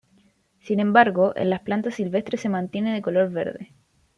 Sin embargo, en las plantas silvestres se mantienen de color verde.